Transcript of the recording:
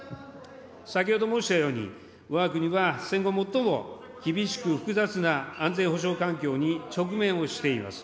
先ほど申したように、わが国は、戦後最も厳しく複雑な安全保障環境に直面をしています。